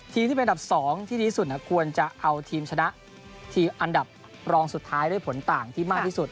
ที่เป็นอันดับ๒ที่ดีที่สุดควรจะเอาทีมชนะทีมอันดับรองสุดท้ายด้วยผลต่างที่มากที่สุด